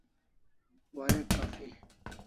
Warek kaffi